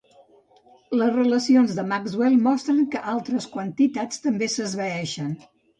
Les relacions de Maxwell mostren que altres quantitats també s'esvaeixen.